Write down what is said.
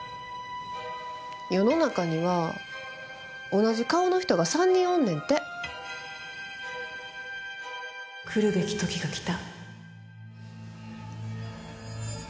世の中には同じ顔の人が３人おんねんてそしてついに来るべき時が来た！